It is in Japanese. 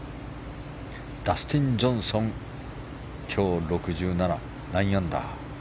ダスティン・ジョンソンは今日、６７で９アンダー。